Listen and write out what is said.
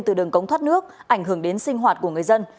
từ đường cống thoát nước ảnh hưởng đến sinh hoạt của người dân